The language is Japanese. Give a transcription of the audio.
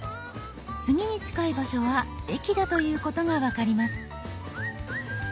次に近い場所は駅だということが分かります。